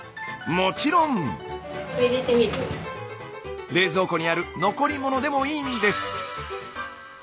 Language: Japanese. もちろん！冷蔵庫にある残り物でもいいんです。